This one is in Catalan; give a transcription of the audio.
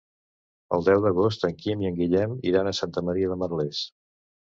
El deu d'agost en Quim i en Guillem iran a Santa Maria de Merlès.